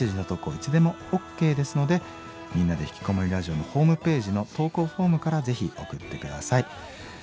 いつでもＯＫですので「みんなでひきこもりラジオ」のホームページの投稿フォームからぜひ送って下さい。